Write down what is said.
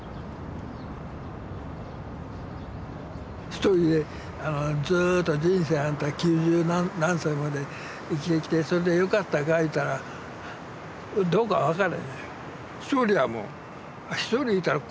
ひとりでずーっと人生あんた九十何歳まで生きてきてそれでよかったかいうたらどうかわからへんひとりやもん